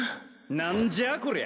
何じゃこりゃ。